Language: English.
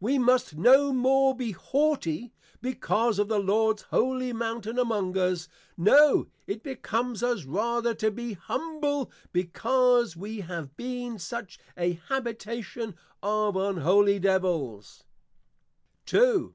We must no more be Haughty, because of the Lords Holy Mountain among us; No it becomes us rather to be, Humble, because we have been such an Habitation of Unholy Devils! _II.